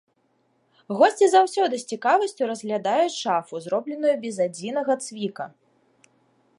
Госці заўсёды з цікавасцю разглядаюць шафу, зробленую без адзінага цвіка!